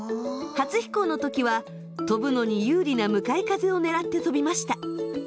初飛行の時は飛ぶのに有利な向かい風をねらって飛びました。